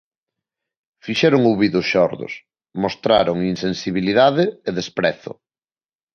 Fixeron ouvidos xordos, mostraron insensibilidade e desprezo.